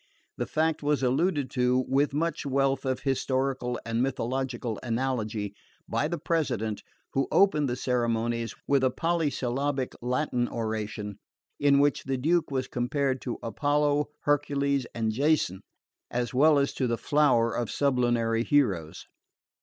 The fact was alluded to, with much wealth of historical and mythological analogy, by the President, who opened the ceremonies with a polysyllabic Latin oration, in which the Duke was compared to Apollo, Hercules and Jason, as well as to the flower of sublunary heroes.